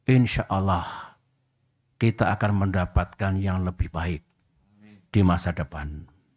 insya allah kita akan mendapatkan yang lebih baik di masa depan